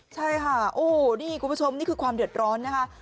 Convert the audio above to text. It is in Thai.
ใช่ค่ะโอ้นี่คุณผู้ชมนี่คือความเดือดร้อนนะคะ